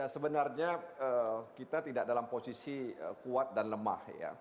sebenarnya kita tidak dalam posisi kuat dan lemah